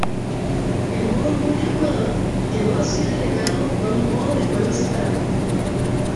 El modo multijugador quedó así relegado a un modo de juego separado.